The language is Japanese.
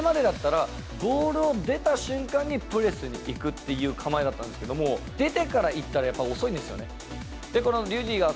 これまでだったら、ボールを出た瞬間にプレスに行くっていう構えなんですけれども、出てからいったら、やっぱり遅いんですよね。